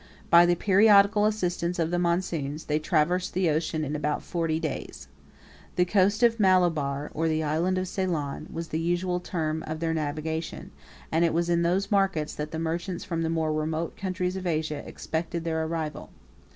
By the periodical assistance of the monsoons, they traversed the ocean in about forty days. The coast of Malabar, or the island of Ceylon, 102 was the usual term of their navigation, and it was in those markets that the merchants from the more remote countries of Asia expected their arrival.